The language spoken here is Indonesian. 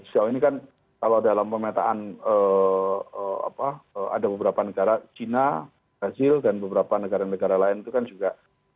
sejauh ini kan kalau dalam pemetaan ada beberapa negara china brazil dan beberapa negara negara lain itu kan juga